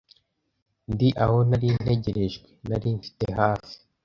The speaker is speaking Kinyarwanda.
Ndi aho nari ntegerejwe? Nari mfite hafi